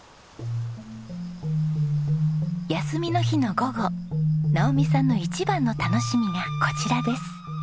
休みの日の午後直己さんの一番の楽しみがこちらです。